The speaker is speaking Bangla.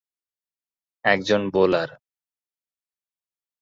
একজন বোলার।